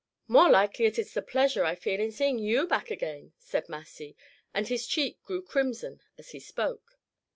"More likely it is the pleasure I feel in seeing you back again," said Massy; and his cheek grew crimson as he spoke.